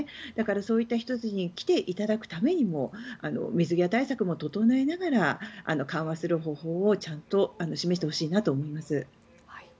だからそういった人たちに来ていただくためにも水際対策も整えながら緩和する方法をちゃんと示してほしいなと思います。